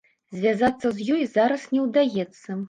Звязацца з ёй зараз не ўдаецца.